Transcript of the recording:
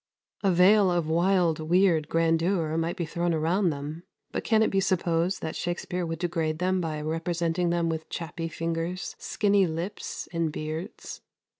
A veil of wild, weird grandeur might be thrown around them; but can it be supposed that Shakspere would degrade them by representing them with chappy fingers, skinny lips, and beards?